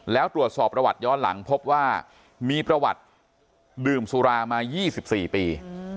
แล้วตรวจสอบประวัติย้อนหลังพบว่ามีประวัติดื่มสุรามา๒๔ปี